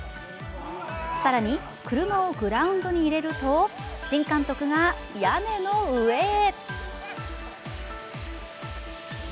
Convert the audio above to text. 更に、車をグラウンドに入れると新監督が屋根の上へ。